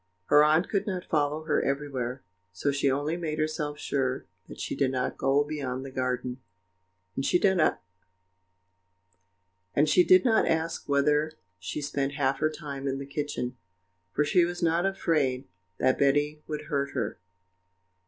Her aunt could not follow her everywhere, so she only made herself sure that she did not go beyond the garden, and she did not ask whether she spent half her time in the kitchen, for she was not afraid that Betty would hurt her.